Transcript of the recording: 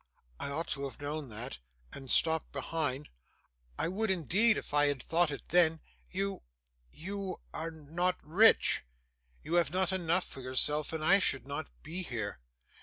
I ought to have known that, and stopped behind I would, indeed, if I had thought it then. You you are not rich; you have not enough for yourself, and I should not be here.